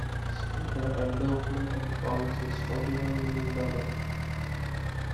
The endowment of the college is forty-one million dollars.